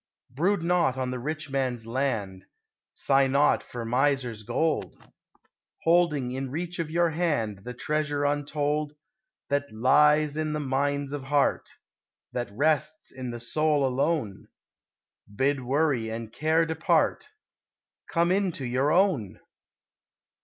Brood not on the rich man's land, Sigh not for miser's gold, Holding in reach of your hand The treasure untold That lies in the Mines of Heart, That rests in the soul alone Bid worry and care depart, Come into your own!